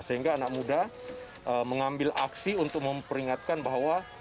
sehingga anak muda mengambil aksi untuk memperingatkan bahwa